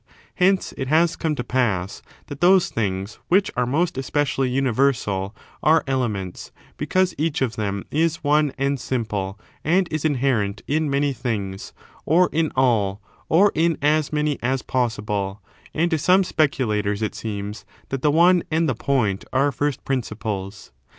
Hence it has come to pass that those things which are most especially universal are elements, because each of them is one and simple, and is inherent in many things, or in all, or in as many as possible ; and to some speculators it seems that the one and the point are first principles.